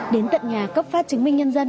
đến tận nhà cấp phát chứng minh nhân dân